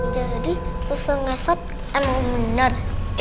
jadi sesungguhnya sorot emang bener